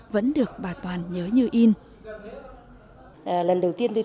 vẫn được bà toàn nhớ như in